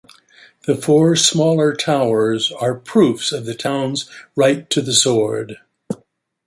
The four smaller towers are proofs of the town's "Right to the sword".